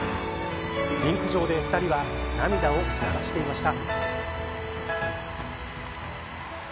リンク上で２人は涙を流していました。